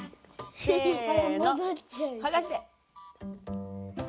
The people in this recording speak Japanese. せぇのはがして。